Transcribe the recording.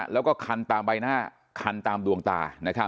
แล้วก็คันตามใบหน้าคันตามดวงตา